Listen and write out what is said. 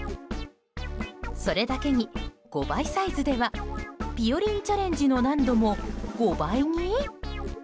それだけに５倍サイズでは「＃ぴよりんチャレンジ」の難度も５倍に？